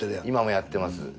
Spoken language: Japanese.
今もやってます。